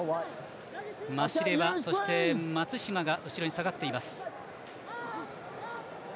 マシレワ、そして松島が後ろに下がっています。